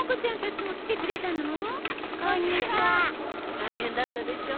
大変だったでしょう。